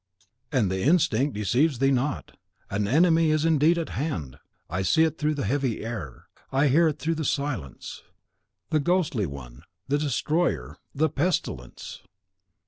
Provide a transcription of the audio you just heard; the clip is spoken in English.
"And the instinct deceives thee not. An enemy is indeed at hand. I see it through the heavy air; I hear it through the silence: the Ghostly One, the Destroyer, the PESTILENCE!